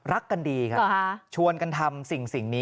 รักกันดีครับชวนกันทำสิ่งนี้